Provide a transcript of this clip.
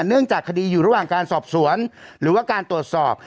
เนื่องจากคดีอยู่ระหว่างการสอบสวนหรือว่าการตรวจสอบ